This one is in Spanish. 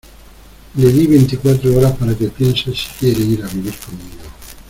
le di veinticuatro horas para que piense si quiere ir a vivir conmigo.